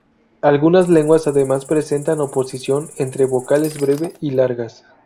Algunas lenguas además presentan oposición entre vocales breves y largas.